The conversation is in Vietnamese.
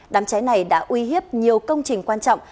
đám cháy này đã uy hiếp nhiều công trình quan trọng